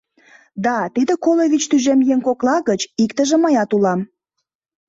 Да, тиде коло вич тӱжем еҥ кокла гыч иктыже мыят улам.